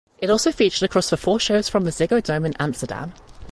It also featured across the four shows from the Ziggo Dome in Amsterdam.